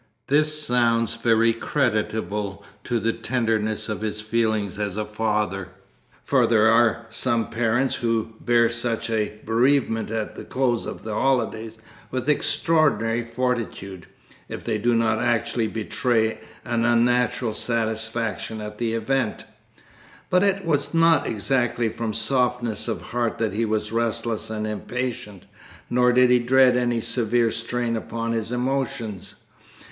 This sounds very creditable to the tenderness of his feelings as a father for there are some parents who bear such a bereavement at the close of the holidays with extraordinary fortitude, if they do not actually betray an unnatural satisfaction at the event. But it was not exactly from softness of heart that he was restless and impatient, nor did he dread any severe strain upon his emotions.